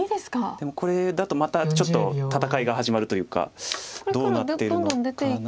でもこれだとまたちょっと戦いが始まるというかどうなってるのかな。